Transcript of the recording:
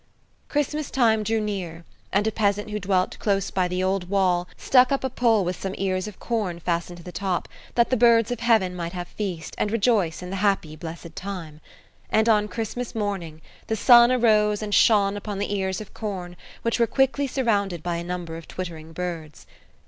Christmas time drew near, and a peasant who dwelt close by the old wall stuck up a pole with some ears of corn fastened to the top, that the birds of heaven might have feast, and rejoice in the happy, blessed time. And on Christmas morning the sun arose and shone upon the ears of corn, which were quickly surrounded by a number of twittering birds.